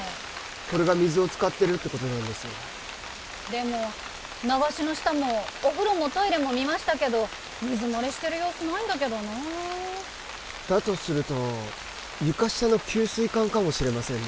これが水を使ってるってことなんですよでも流しの下もお風呂もトイレも見ましたけど水漏れしてる様子ないんだけどなだとすると床下の給水管かもしれませんね